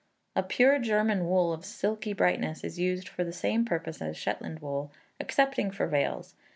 A pure German wool of silky brightness, is used for the same purpose as Shetland wool excepting for veils.